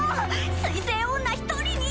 水星女一人に！